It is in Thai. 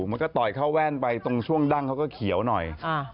มันก็ต่อยเข้าแว่นไปตรงช่วงดั้งเขาก็เขียวหน่อย